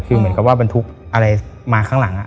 คือเหมือนกับว่าบรรทุกอะไรมาข้างหลัง